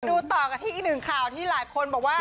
ต่อกันที่อีกหนึ่งข่าวที่หลายคนบอกว่า